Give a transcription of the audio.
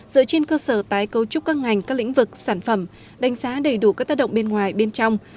dựa trên cơ sở tái cấu trúc các ngành các lĩnh vực sản phẩm đánh giá đầy đủ các tác động bên ngoài bên trong